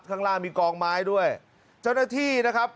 ข้างล่างมีกองไม้ด้วยเจ้าหน้าที่นะครับ